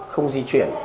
không di chuyển